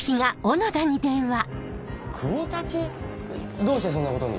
・どうしてそんなことに？